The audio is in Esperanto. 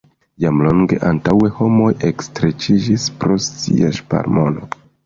Jam longe antaŭe homoj ekstreĉiĝis pro sia ŝparmono.